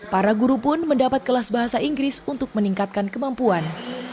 para guru pun mendapat kelas bahasa inggris untuk meningkatkan kemampuan